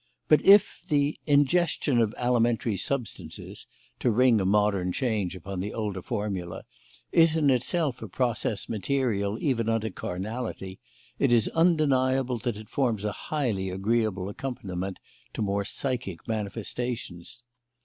But if "the ingestion of alimentary substances" to ring a modern change upon the older formula is in itself a process material even unto carnality, it is undeniable that it forms a highly agreeable accompaniment to more psychic manifestations.